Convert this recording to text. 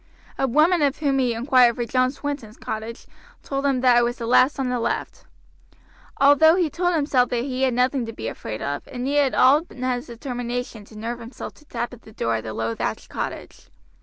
A woman of whom he inquired for John Swinton's cottage told him that it was the last on the left. Although he told himself that he had nothing to be afraid of, it needed all Ned's determination to nerve himself to tap at the door of the low thatched cottage.